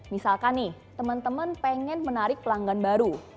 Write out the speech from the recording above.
misalkan nih temen temen pengen menarik pelanggan baru